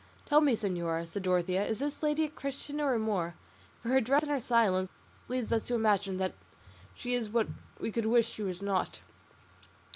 "Tell me, señor," said Dorothea, "is this lady a Christian or a Moor? for her dress and her silence lead us to imagine that she is what we could wish she was not."